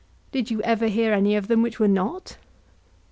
Did you ever hear any of them which were not?